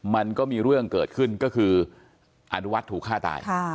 มันก็มีเรื่องเกิดขึ้นก็คืออนุวัฒน์ถูกฆ่าตาย